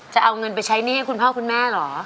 จะเอาเงินไปใช้หนี้ให้คุณพ่อคุณแม่เหรอ